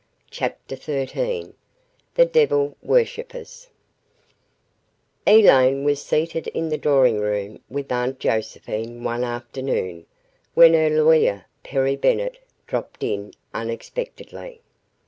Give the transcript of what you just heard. CHAPTER XIII THE DEVIL WORSHIPPERS Elaine was seated in the drawing room with Aunt Josephine one afternoon, when her lawyer, Perry Bennett, dropped in unexpectedly.